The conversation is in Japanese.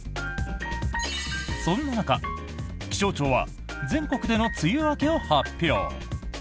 そんな中、気象庁は全国での梅雨明けを発表。